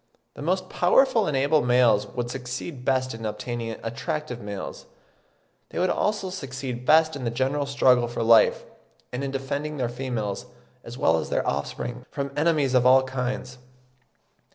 The most powerful and able males would succeed best in obtaining attractive females. They would also succeed best in the general struggle for life, and in defending their females, as well as their offspring, from enemies of all kinds.